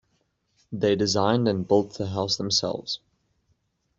They designed and built the house themselves.